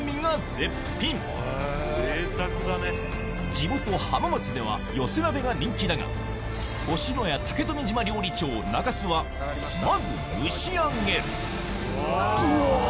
地元浜松では寄せ鍋が人気だが星のや竹富島料理長中洲はまず蒸し上げるうわぁ！